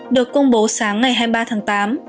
được công bố sáng ngày hai mươi ba tháng tám